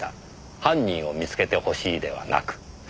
犯人を見つけてほしいではなく。